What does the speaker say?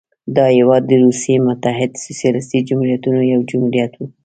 دا هېواد د روسیې متحده سوسیالیستي جمهوریتونو یو جمهوریت و.